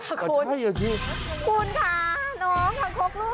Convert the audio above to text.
คุณค่ะน้องคังคกลูก